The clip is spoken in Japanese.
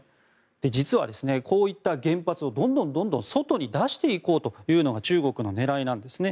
実は、こういった原発をどんどん外に出していこうというのが中国の狙いなんですね。